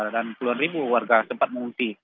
dan puluhan ribu warga sempat mengungsi